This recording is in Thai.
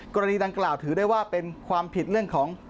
กรณีดังกล่าวถือได้ว่าเป็นความผิดเรื่องของ